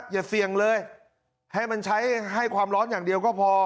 อย่าเสี่ยงเลยให้มันใช้ให้ความร้อนอย่างเดียวก็พอ